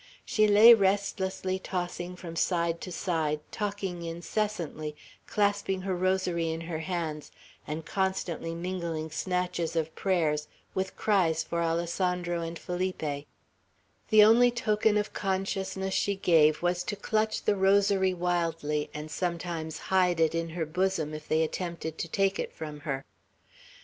She lay restlessly tossing from side to side, talking incessantly, clasping her rosary in her hands, and constantly mingling snatches of prayers with cries for Alessandro and Felipe; the only token of consciousness she gave was to clutch the rosary wildly, and sometimes hide it in her bosom, if they attempted to take it from her.